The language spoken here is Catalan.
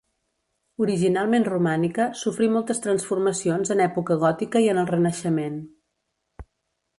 Originalment romànica, sofrí moltes transformacions en època gòtica i en el Renaixement.